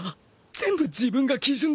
全部自分が基準だ